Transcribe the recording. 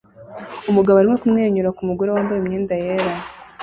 Umugabo arimo kumwenyura ku mugore wambaye imyenda yera